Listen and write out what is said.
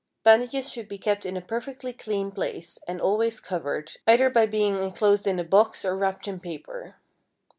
Bandages should be kept in a perfectly clean place, and always covered, either by being enclosed in a box or wrapped in paper.